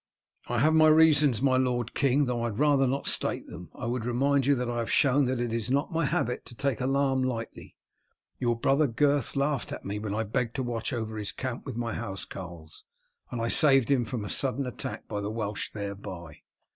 "I have my reasons, my lord king, though I would rather not state them. I would remind you that I have shown that it is not my habit to take alarm lightly. Your brother Gurth laughed at me when I begged to watch over his camp with my housecarls, and I saved him from a sudden attack by the Welsh thereby."